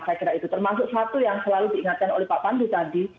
saya kira itu termasuk satu yang selalu diingatkan oleh pak pandu tadi